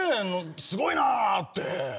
すごいなって。